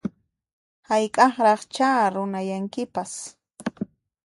Hayk'aqraqchá runayankipas